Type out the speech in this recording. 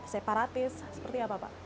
separatis seperti apa pak